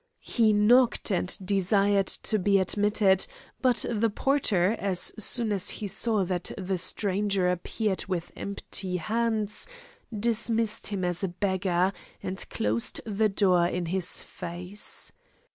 He knocked and desired to be admitted, but the porter, as soon as he saw that the stranger appeared with empty hands, dismissed him as a beggar, and closed the door in his face.